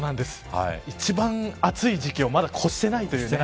一番暑い時期をまだ越してないというね。